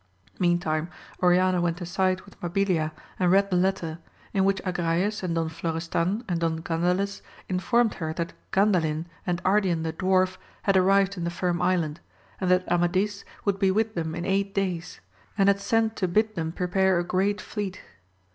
Meantime Oriana went aside with Mabilia and read the letter, in which Agrayes and Don Florestan and Don Gandales in formed her that Gandalin and Ardian the Dwarf had arrived in the Firm Island, and that Amadis would be with them in eight days, and had sent to bid them prepare a great fleet.